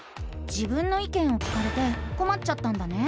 「自分の意見」を聞かれてこまっちゃったんだね？